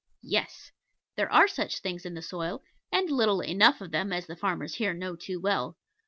Yes. There are such things in the soil; and little enough of them, as the farmers here know too well.